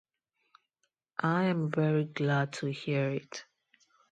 I am very glad to hear it.